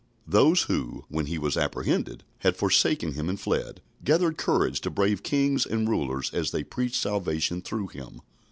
" Those who, when He was apprehended, had forsaken Him and fled, gathered courage to brave kings and rulers as they preached salvation through Him.